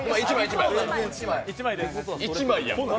１枚やん。